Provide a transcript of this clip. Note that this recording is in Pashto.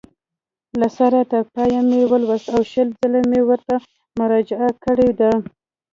له سره تر پایه مې ولوست او شل ځله مې ورته مراجعه کړې ده.